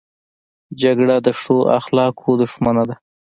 جګړه د ښو اخلاقو دښمنه ده